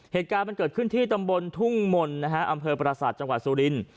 เหตุการณ์มันเกิดขึ้นที่ตำบลทุ่งมลอำเภอปราศาสตร์จังหวัดสุริน